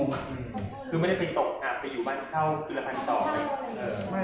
คือไม่ได้ไปตกกรับไปยูบ้านเช่าขึ้นละพันธุ์หรอ